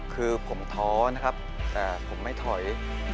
คือผมท้อนะครับแต่ผมไม่ถอย